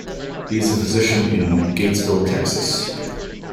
He is a physician in Gatesville, Texas.